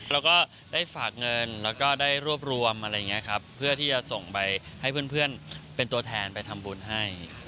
แล้วก็ได้ฝากเงินแล้วก็ได้รวบรวมอะไรอย่างนี้ครับเพื่อที่จะส่งไปให้เพื่อนเป็นตัวแทนไปทำบุญให้